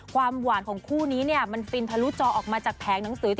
ความหวานของคู่นี้เนี่ยมันฟินทะลุจอออกมาจากแผงหนังสือ